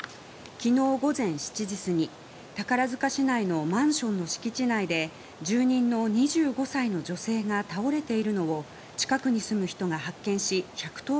昨日午前７時過ぎ宝塚市内のマンションの敷地内で住人の２５歳の女性が倒れているのを近くに住む人が発見し１１０